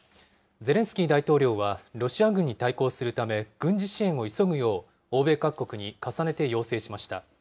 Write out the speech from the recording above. ゼレンスキー大統領はロシア軍に対抗するため、軍事支援を急ぐよう、欧米各国に重ねて要請しました。